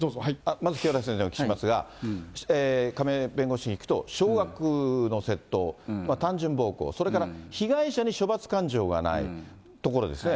まず清原先生にお聞きしますが、亀井弁護士に聞くと、少額の窃盗、単純暴行、それから、被害者に処罰感情がないところですね。